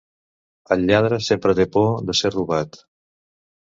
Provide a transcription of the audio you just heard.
El lladre sempre té por de ser robat.